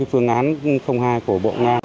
phương án hai của bộ nga